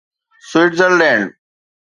Switzerland